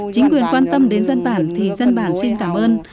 chính quyền quan tâm đến dân bản thì dân bản xin cảm ơn